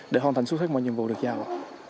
để hoàn thành suốt hết mọi nhiệm vụ được giao